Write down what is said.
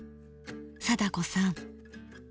貞子さん。